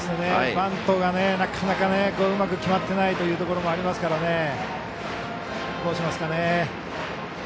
バントがなかなかうまく決まってないというところもありますからね。